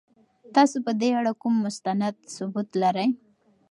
تاسو په دې اړه کوم مستند ثبوت لرئ؟